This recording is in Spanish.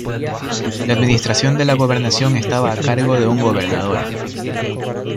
La administración de la gobernación estaba a cargo de un gobernador.